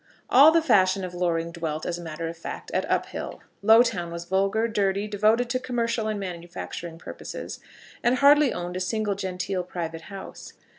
All the fashion of Loring dwelt, as a matter of course, at Uphill. Lowtown was vulgar, dirty, devoted to commercial and manufacturing purposes, and hardly owned a single genteel private house.